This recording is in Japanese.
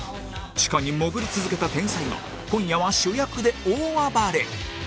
地下に潜り続けた天才が今夜は主役で大暴れ！